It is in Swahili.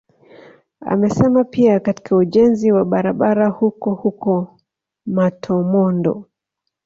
Amesema pia katika ujenzi wa barabara huko huko Matomondo